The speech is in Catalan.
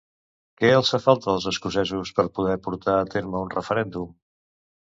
Què els fa falta als escocesos per poder portar a terme un referèndum?